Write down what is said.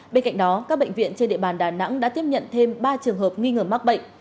bên cạnh đó các bệnh viện trên địa bàn đà nẵng đã tiếp nhận thêm ba trường hợp nghi ngờ mắc bệnh